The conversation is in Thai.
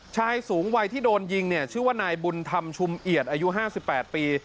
ชายสูงวัยที่โดนยิงเนี่ยชื่อว่านายบุญธรรมชุมเอียดอายุ๕๘ปี